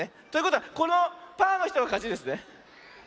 ということはこのパーのひとがかちですね。